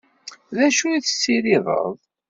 D acu i ad tessirideḍ?